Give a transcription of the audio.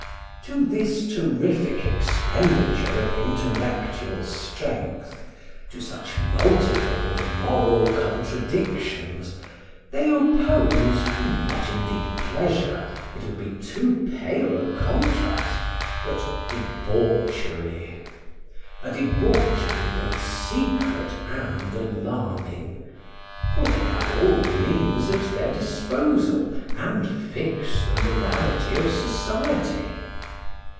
To this terrific expenditure of intellectual strength, to such multifold moral contradictions, they oppose not, indeed pleasure, it would be too pale a contrast but debauchery, a debauchery both secret and alarming, for they have all means at their disposal, and fix the morality of society.